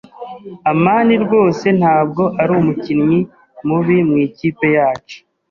amani rwose ntabwo ari umukinnyi mubi mu ikipe yacu.